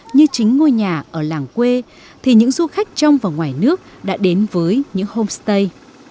như chính ngôi nhà ở làng quê thì những du khách trong và ngoài nước đã đến với những homestay